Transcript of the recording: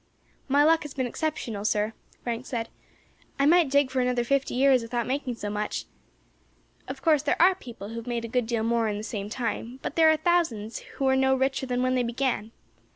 "My luck has been exceptional, sir," Frank said. "I might dig for another fifty years without making so much. Of course, there are people who have made a good deal more in the same time, but then there are thousands who are no richer than when they began.